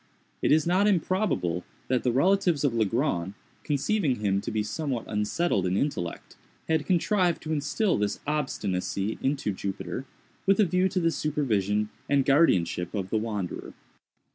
It is not improbable that the relatives of Legrand, conceiving him to be somewhat unsettled in intellect, had contrived to instil this obstinacy into Jupiter, with a view to the supervision and guardianship of the wanderer.